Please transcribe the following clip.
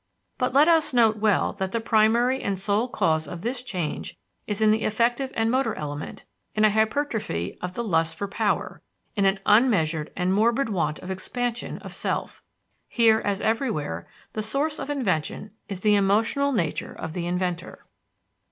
But let us note well that the primary and sole cause of this change is in the affective and motor element, in an hypertrophy of the lust for power, in an unmeasured and morbid want of expansion of self. Here, as everywhere, the source of invention is the emotional nature of the inventor.